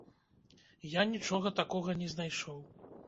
Я нічога такога не знайшоў.